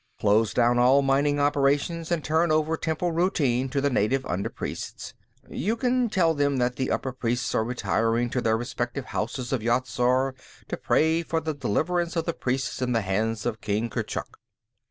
Close down all mining operations, and turn over temple routine to the native under priests. You can tell them that the upper priests are retiring to their respective Houses of Yat Zar to pray for the deliverance of the priests in the hands of King Kurchuk.